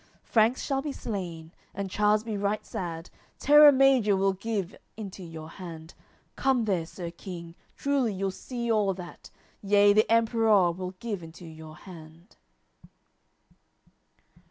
Franks shall be slain, and Chares be right sad. Terra Major we'll give into your hand; Come there, Sir King, truly you'll see all that Yea, the Emperour we'll give into your hand."